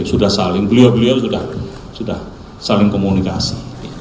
sudah saling beliau beliau sudah saling komunikasi